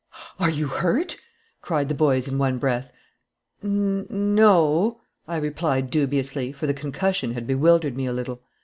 "Are you hurt?" cried the boys, in one breath. "N no," I replied, dubiously, for the concussion had bewildered me a little.